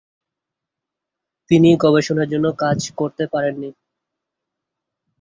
তিনি গবেষণার কাজ করতে পারেন নি।